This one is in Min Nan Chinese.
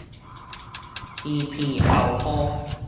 耳鼻喉科